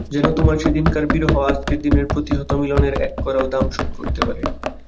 যেন তোমার সেদিনকার বিরহ আজকের দিনের প্রতিহত মিলনের এক কড়াও দাম শোধ করতে পারে!